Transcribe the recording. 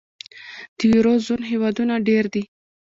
د یورو زون هېوادونه ډېر دي.